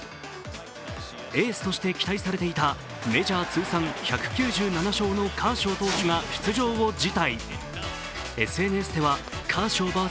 エースとして期待されていたメジャー通算１９７勝のカーショウ投手が出場を辞退。